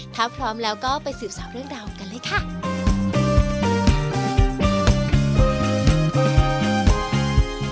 ถ้าพร้อมแล้วก็ไปสืบสาวเรื่องราวกันเลยค่ะ